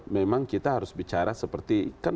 memang kita harus bicara seperti kan